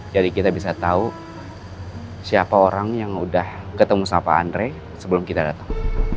jadi kita bisa tahu siapa orang yang udah ketemu pak andre sebelum kita datang